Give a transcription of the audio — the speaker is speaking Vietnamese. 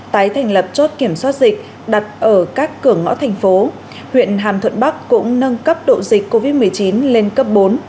tái thành lập chốt kiểm soát dịch đặt ở các cửa ngõ thành phố huyện hàm thuận bắc cũng nâng cấp độ dịch covid một mươi chín lên cấp bốn